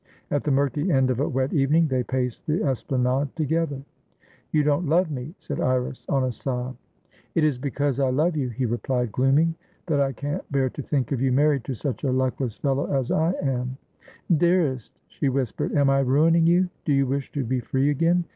At the murky end of a wet evening, they paced the esplanade together. "You don't love me," said Iris, on a sob. "It is because I love you," he replied, glooming, "that I can't bear to think of you married to such a luckless fellow as I am." "Dearest!" she whispered. "Am I ruining you? Do you wish to be free again?